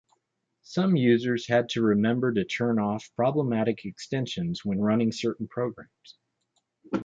Some users had to remember to turn off problematic extensions when running certain programs.